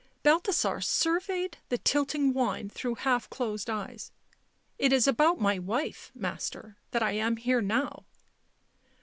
Balthasar surveyed the tilting wine through half closed eyes. " It is about my wife, Master, that I am here now."